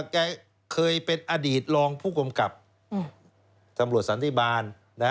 แกเคยเป็นอดีตรองผู้กำกับตำรวจสันติบาล